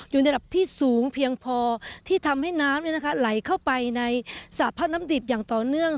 อยู่ในระดับที่สูงเพียงพอที่ทำให้น้ำไหลเข้าไปในสระพัดน้ำดิบอย่างต่อเนื่อง